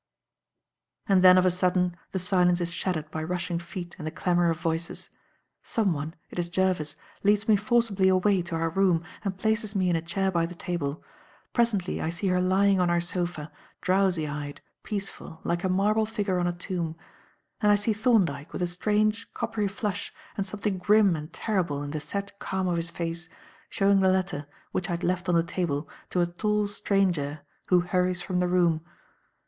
And then of a sudden the silence is shattered by rushing feet and the clamour of voices. Someone it is Jervis leads me forcibly away to our room and places me in a chair by the table. Presently I see her lying on our sofa, drowsy eyed, peaceful, like a marble figure on a tomb. And I see Thorndyke, with a strange, coppery flush and something grim and terrible in the set calm of his face, showing the letter, which I had left on the table, to a tall stranger, who hurries from the room.